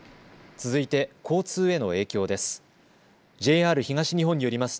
続いて交通への影響です。